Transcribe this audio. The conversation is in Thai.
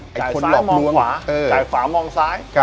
จ่ายซ้ายมองขวาจ่ายขวามองซ้าย